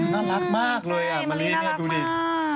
น่ารักมากเลยมิลิน่ารักมาก